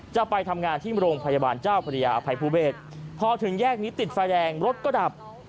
จะไปทำงานที่โรงพยาบาลเจ้าพระยาอภัยภูเบศพอถึงแยกนี้ติดไฟแดงรถก็ดับ